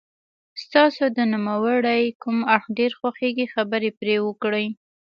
ستاسو د نوموړي کوم اړخ ډېر خوښیږي خبرې پرې وکړئ.